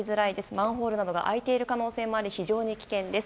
マンホールなどが開いている可能性もあり非常に危険です。